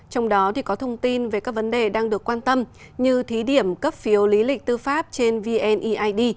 trong đó có thông tin về các vấn đề đang được quan tâm như thí điểm cấp phiếu lý lịch tư pháp trên vneid